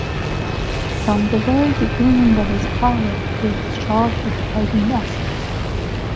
From the very beginning of his power, he was charged with hiding assets.